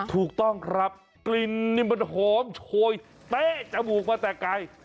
ถูกต้องครับกลิ่นนี่มันหอมโชยเป๊ะจมูกมาแต่ไกล